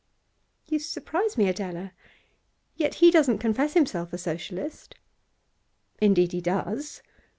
'You surprise me, Adela. Yet he doesn't confess himself a Socialist.' 'Indeed, he does.